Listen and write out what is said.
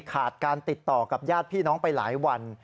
ขาดการติดต่อกับญาติพี่น้องไปหลายวัน